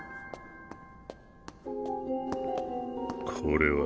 これは。